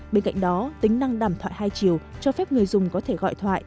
bên cạnh đó tính năng đàm thoại hai chiều cho phép người dùng có thể gọi thoại